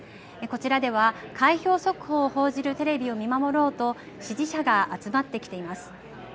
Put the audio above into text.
こちらでは開票速報を報じるテレビを見守ろうと支持者が集まってきています。